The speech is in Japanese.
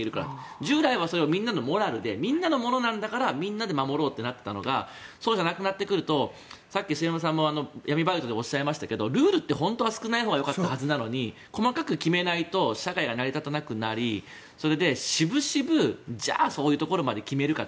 従来はそれはみんなのモラルでみんなのものなんだからみんなで守ろうとなっていたのがそうじゃなくなってくるとさっき、末延さんも闇バイトでおっしゃいましたがルールって本当は少ないほうがいいはずなのに細かく決めないと社会が成り立たなくなりそれで渋々じゃあ、そういうところまで決めるかと。